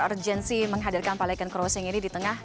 urgensi menghadirkan palikan crossing ini di tengah